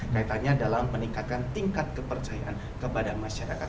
kaitannya dalam meningkatkan tingkat kepercayaan kepada masyarakat